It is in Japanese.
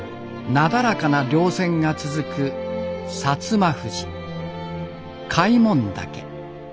なだらかなりょう線が続く摩富士開聞岳。